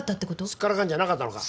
すっからかんじゃなかったのか？